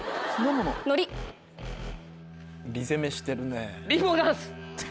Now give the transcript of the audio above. り攻めしてるね。